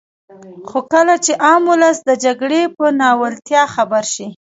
خو کله چې عام ولس د جګړې په ناولتیا خبر شي.